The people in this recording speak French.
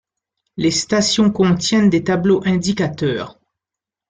Les stations contiennent des tableaux indicateurs.